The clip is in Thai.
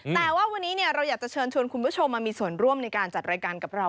แต่ว่าวันนี้เราอยากจะเชิญชวนคุณผู้ชมมามีส่วนร่วมในการจัดรายการกับเรา